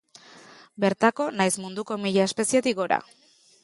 Bertako nahiz munduko mila espezietik gora.